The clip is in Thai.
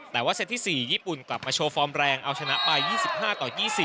แต่ว่าเซตที่๔ญี่ปุ่นกลับมาโชว์ฟอร์มแรงเอาชนะไป๒๕ต่อ๒๐